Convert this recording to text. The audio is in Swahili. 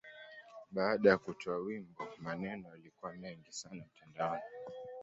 Baada ya kutoa wimbo, maneno yalikuwa mengi sana mtandaoni.